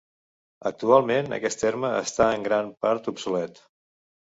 Actualment aquest terme està en gran part obsolet.